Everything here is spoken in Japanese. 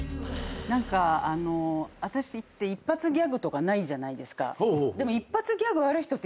私って一発ギャグとかないじゃないですか。